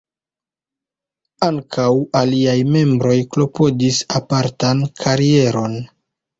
Ankaŭ aliaj membroj klopodis apartan karieron.